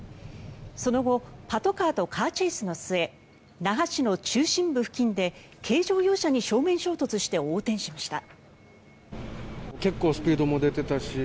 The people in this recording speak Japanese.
その後パトカーとカーチェイスの末那覇市の中心部付近で軽乗用車に正面衝突して横転しました。